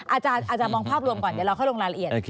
อาจารย์มองภาพรวมก่อนเดี๋ยวเราค่อยลงรายละเอียด